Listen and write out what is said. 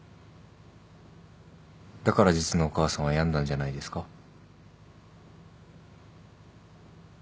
だから実のお母さんは病んだんじゃないですか？